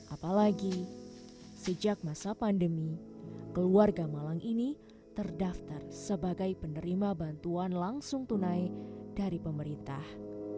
apalagi sejak masa pandemi keluarga malang ini terdaftar sebagai penerima bantuan langsung tunai dari pemerintah